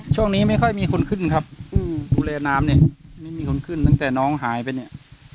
ช่วงนี้ไม่ค่อยมีคนขึ้นครับดูแลน้ำเนี่ยไม่มีคนขึ้นตั้งแต่น้องหายไปเนี่ย